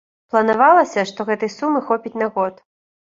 Планавалася, што гэтай сумы хопіць на год.